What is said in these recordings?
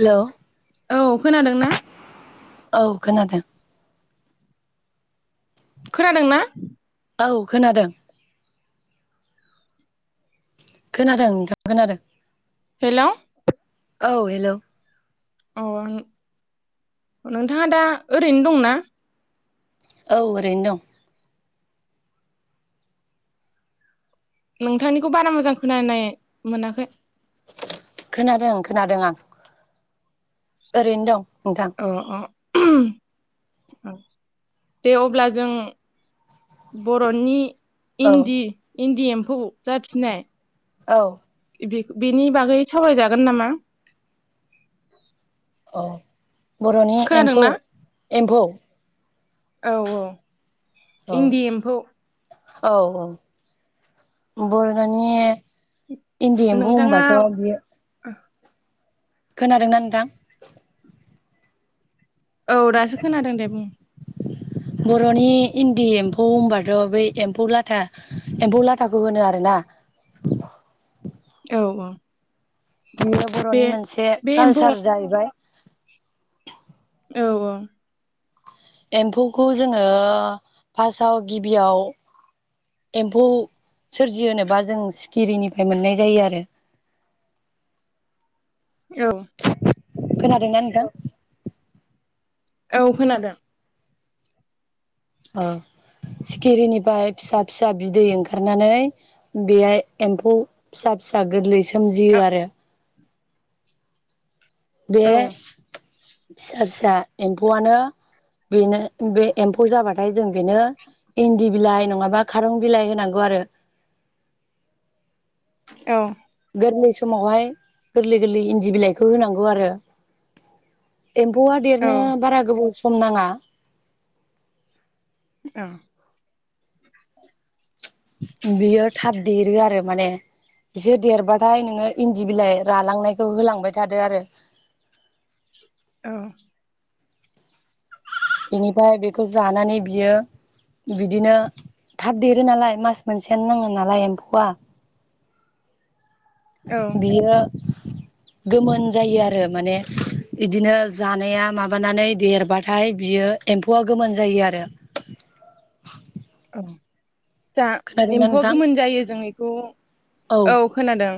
Hello औ खोनादों ना औ खोनादों खोनादों ना औ खोनादों खोनादों नोंथां खोनादों हेलौ औ हेलौ अ नोंथाङा दा ओरैनो दंना औ ओरैनो दं नोंथांनिखौ बारा मोजां खोनानाय मोनाखै खोनादों खोनादों आं ओरैनो दं नोंथां अ अ औ दे अब्ला जों बर'नि औ इनदि इनदि एम फौ जाफिनाय औ बेनि बागै सावरायजागोन नामा औ बर'नि एम्फौ खोनादोंना एम्फौ औ औ औ इनदि एम्फौ औ औ बर' दानि इनदि एम्फौ नोंथाङा होनबाथ' बे खोनादोंना नोंथां औ दासो खोनादों दे बुं बर'नि इन्दि एम्फौ होनबाथ' बै एम्फौ लाथा एम्फौ लाथाखौ होनो आरोना औ औ बियो बे बर'नि मोनसे बे एम्फौ कालसार जाहैबाय औ औ एम्फौखौ जोङो फार्स्टआव गिबियाव एम्फौ सोरजिहोनोबा जों सिखिरिनिफ्राय मोननाय जायो आरो औ खोनादोंनाय नोंथां औ खोनादों ओ सिखिरिनिफ्राय फिसा फिसा बिदै ओंखारनानै बेहाय एम्फौ फिसा फिसा गोरलैसो औ सोमजियो आरो बे औ फिसा फिसा एम्फौआनो बेनो बे एम्फौ जाबाथाय जों बेनो इनदि बिलाइ नङा खारं बिलाइ होनांगौ आरो। औ गोरलै समावहाय गोरलै गोरलै इन्दि बिलाइखौ होनांगौ आरो। एम्फौआ औ देरनो बारा गोबाव सम नाङा ओ बेयो थाब देरो आरो माने बिसोर देरबाथाय नोङो इन्दि बिलाइ रालांनायखौ होलांबाय थादो आरो औ बिनिफ्राय बेखौ जानानै बियो बिदिनो थाब देरो नालाय मास मोनसेयानो नाङा नालाय एम्फौआ औ बियो गोमोन जायो आरो माने इदिनो जानाया माबानानै देरबाथाय बियो एम्फौआ गोमोन जायो आरो। अ जा खोनादोंना एम्फौआ नोंथां गोमोन जायो जों। द' औ खोनादों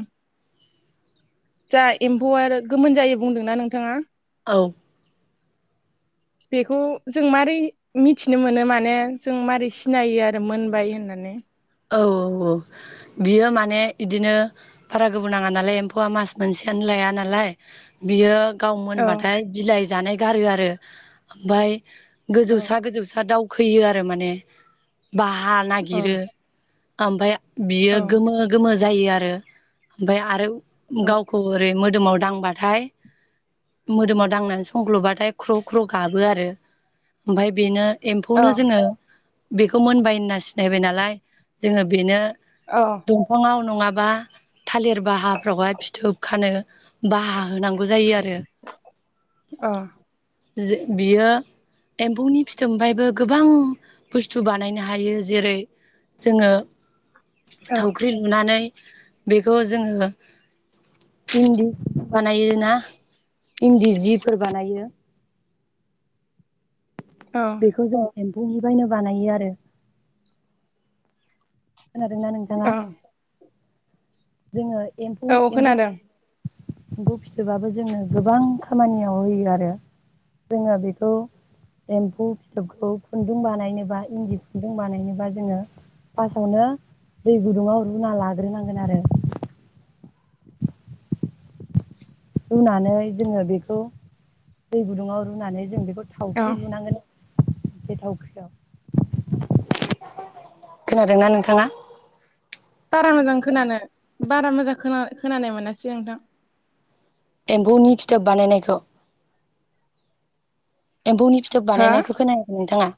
जा एम्फौआ आरो गोमोन जायो बुंदोंना नोंथाङा औ बेखौ जों मारै मिथिनो मोनो माने जों मारै सिनायो आरो मोनबाय होननानै औ औ औ बियो माने इदिनो बारा गोबाव नाङा नालाय एम्फौआ मास मोनसेयानो लाया नालाय बियो गाव औ मोनबाथाय बिलाइ जानाय। गारो आरो ओमफाय औ गोजौसा गोजौसा दाउ। खोयो आरो माने बाहा औ नागिरो। ओमफाय औ बियो गोमो गोमो जायो आरो ओमफाय आरो। औ गावखौ ओरै मो मोदोमाव दांबाथाय मोदोमाव दांनानै संख्ल'बाथाय ख्र' ख्र' गाबो आरो ओमफाय बेनो औ एम्फौनो जोङो बेखौ मोनबाय होनना नायबाय नालाय। जोङो बेनो औ दंफाङाव नङा बा थालिर बाहाफ्रावहाय फिथोब खानो बाहा होनां जायो आरो। औ जों बियो एम्फौनि फिथोबनिफ्रायबो गोबां बुस्थु बानायनो हायो। जेरै जोङो। थावख्रि लुनानै बेखौ जोङो इन्दि खुन्दुं बानायो ना इन्दि जिफोर बानायो औ बेखौ जों एम्फौनिफ्रायनो बानायो आरो खोनादोंना नोंथाङा? औ जोङो एम्फौ औ एमबु खोनादों एम्फौ फिथोबाबो जोंनो गोबां खामानियाव होयो आरो जोङो बेखौ एम्फौ फिथोबखौ खुन्दुं बानायनोबा इन्दि खुन्दुं बानायनोबा जोङो फार्स्टआवनो दै गुदुङाव रुना लाग्रोनांगोन आरो। रुनानै जोङो बेखौ दै गुदुङाव रुनानै जों बेखौ औ थावख्रि लुनांगोन। एसे थावख्रियाव खोनादोंना नोंथाङा? बारा मोजां खोनानो बारा मोजां खोनानाय मोनासै नोंथां। एम्फौनि फिथोब बानायनायखौ एम्फौनि फिथोब हो बानायनायखौ खोनायाखै नोंथाङा?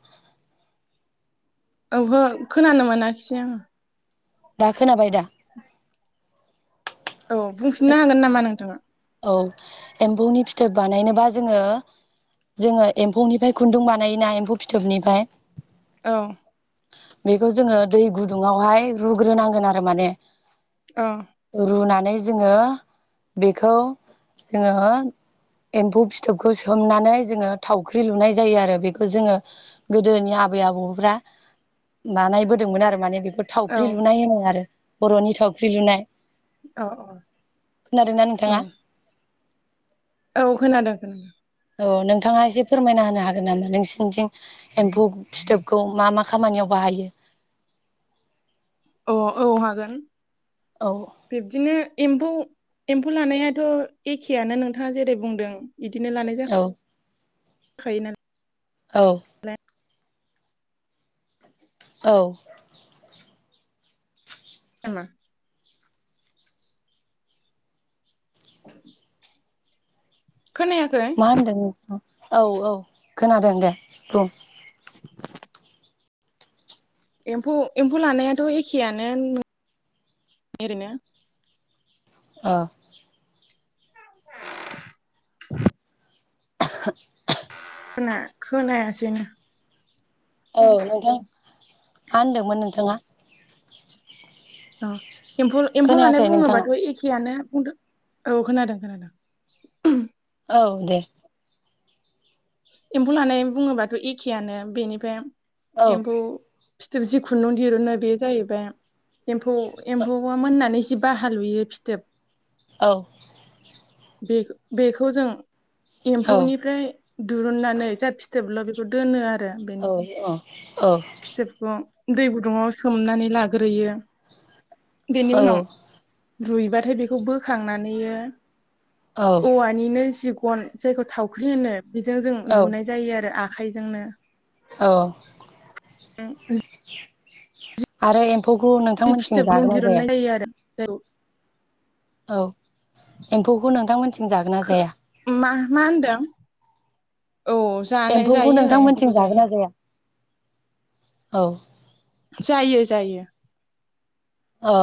ओहो खोनानो मोनाखिसै आङो दा खोनाबाय दा? [inaudible] औ बुंफिननो हागोन नामा नोंथाङा? औ एम्फौनि फिथोब बानायनोबा जोङो जोङो एम्फौनिफ्राय खुन्दुं बानायोना एम्फौ फिथोबनिफ्राय औ बेखौ जोङो दै गुदुङावहाय रुग्रोनांगोन आरो माने। औ रुना जोङो बे बेखौ जोङो एम्फौ फिथोबखौ सोमनानै जोङो थावख्रि लुनाय जायो आरो बेखौ जोङो गोदोनि आबै आबौफ्रा बानायबोदोंमोन आरो माने बे औ थावख्रि लुनाय होनो आरो। बर'नि थावख्रि लुनाय अ खोनादोंना अ औ नोंथाङा औ खोनादों खोनादों। औ नोंथाङा एसे फोरमायना होनो हागोन नामा नोंसिनिथिं एम्फौ फिथोबखौ मा मा खामानियाव बाहायो। अ औ हागोन। औ बिब्दिनो एम्फौ एम्फौ लानायाथ' एखेयानो नोंथाङा जेरै बुंदों बिदिनो लानाय जा औ खायो ना औ औ [unintelligible] [inaudible] खोनायाखै मा होनदों नोंथां औ औ खोनादों दे बुं। एमफौ एम्फौ लानायाथ' एखेआनो ओरैनो। ओ [unintelligible] खोना खोनायासैनो। औ नोंथां मा होनदोंमोन नोंथाङा? औ एम्फौ एम्फौ लानाय खोनायाखै नोंथाङा बुङोबाथ' एखेआनो बुंदों। औ खोनादों खोनादों। औ दे। एम्फौ लानाय बुङोबाथ' एखेयानो बेनिफ्राय औ एम्फौ फिथोब जि खुन्दुं दिरुनो बे जाहैबाय। एम्फौ एम्फौआ मोननानै बाहा हालुयो फिथोब औ बे बेखौ जों औ एम्फौनिफ्राय दिरुननानै जा फिथोबल' बेखौ दोनो आरो। औ बेनि अ फिथोबखौ दै गुदुङाव सोमनानै लाग्रोयो। बिनि औ उनाव रुइबाथाय बेखौ बोखांनानैयो औ औवानिनो जि गन जायखौ थावख्रि होनो। बिजों जों औ लुनाय जायो आरो आ खाइजोंनो औ [inaudible] आरो एम फ'ग जि नोंथांमोनथिं फिथोबखौ जागोन ना जाया? दिरुननाय [unintelligible] औ एम्फौखौ नोंथांमोनथिं जागोन ना जाया? मा मा होनदों? औ जानाय एम्फौखौ जायो एम्फौखौ नोंथांमोनथिं जागोन जायो ना जाया? औ जायो जायो। अ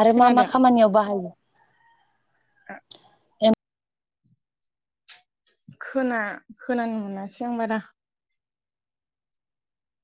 आरो मा मा खोनादों खामानियाव बाहायो? ओ खोना खोनानो मोनासै आं बारा।